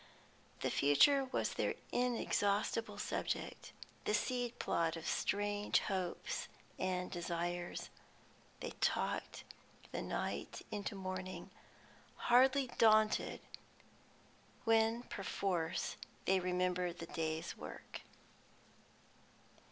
The future was their inexhaustible subject, the seed plot of strange hopes and desires. They talked the night into morning, hardly daunted when perforce they remembered the day's work.